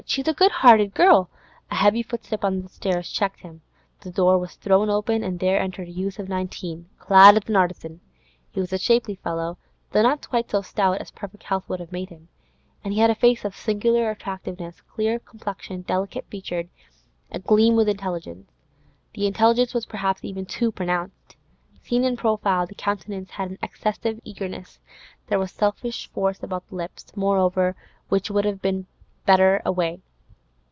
She's a good hearted girl—' A heavy footstep on the stairs checked him. The door was thrown open, and there entered a youth of nineteen, clad as an artisan. He was a shapely fellow, though not quite so stout as perfect health would have made him, and had a face of singular attractiveness, clear complexioned, delicate featured, a gleam with intelligence. The intelligence was perhaps even too pronounced; seen in profile, the countenance had an excessive eagerness; there was selfish force about the lips, moreover, which would have been better away.